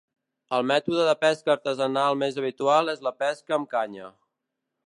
El mètode de pesca artesanal més habitual és la pesca amb canya.